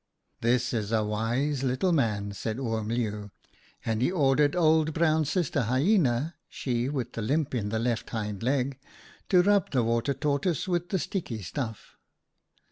"' This is a wise little man,' said Oom Leeuw, and he ordered Old Brown Sister Hyena — she with the limp in the left hind SAVED BY HIS TAIL 103 leg — to rub the Water Tortoise with the sticky stuff.